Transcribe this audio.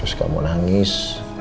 terus kamu nangis